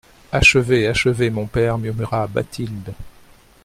Achevez, achevez, mon père, murmura Bathilde.